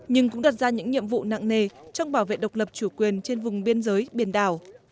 nhưng cũng đặt ra những nhiệm vụ nặng nề trong bảo vệ độc lập chủ quyền trên vùng biên giới biển đảo